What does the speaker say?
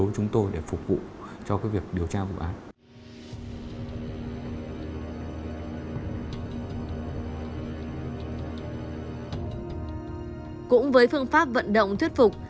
cũng với phương pháp vận động thuyết phục